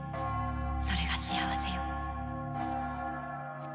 それが幸せよ。